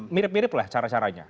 mirip mirip lah cara caranya